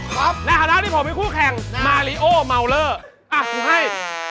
ครับในฐานะที่ผมให้คู่แข่งมาริโอเมาล่าอะผมให้